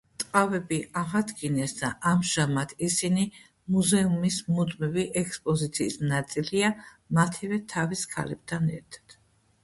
ტყავები აღადგინეს და ამჟამად ისინი მუზეუმის მუდმივი ექსპოზიციის ნაწილია მათივე თავის ქალებთან ერთად.